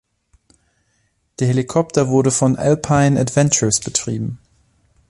Der Helikopter wurde von Alpine Adventures betrieben.